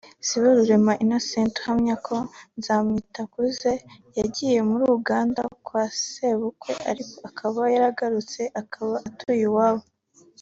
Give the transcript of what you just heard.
Siborurema Innocent uhamya ko Nzamwitakuze yagiye muri Uganda kwa sebukwe ariko akaba yaragarutse akaba atuye iwabo